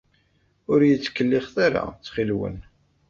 Ur iyi-ttkellixet ara, ttxil-wen.